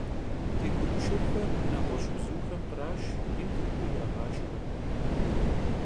Ç'ıguugu şşırxer neğueş' bzuxem khraşş, yin xhuxui yağaşşxe.